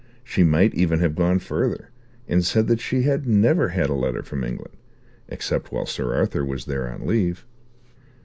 She might even have gone further, and said that she had never had a letter from England, except while Sir Arthur was there on leave.